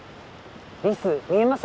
リス見えます？